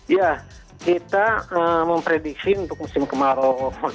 ya kita memprediksi untuk musim kemarau